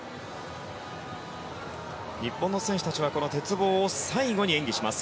日本の選手たちはこの鉄棒を最後に演技します。